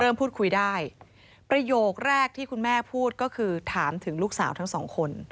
พูดคุยได้ประโยคแรกที่คุณแม่พูดก็คือถามถึงลูกสาวทั้งสองคน